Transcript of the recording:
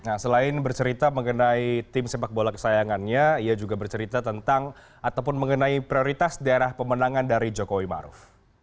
nah selain bercerita mengenai tim sepak bola kesayangannya ia juga bercerita tentang ataupun mengenai prioritas daerah pemenangan dari jokowi maruf